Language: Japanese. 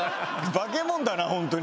化け物だなホントに。